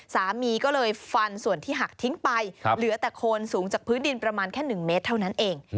สามีก็เลยฟันส่วนที่หักทิ้งไปเหลือแต่โคนสูงจากพื้นดินประมาณแค่๑เมตรเท่านั้นเอง